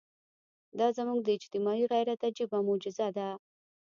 دا زموږ د اجتماعي غیرت عجیبه معجزه ده.